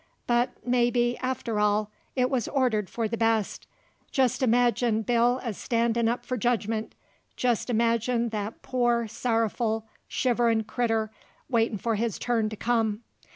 But maybe, after all, it was ordered for the best. Jist imagine Bill a standin' up for jedgment; jist imagine that poor, sorrowful, shiverin' critter waitin' for his turn to come.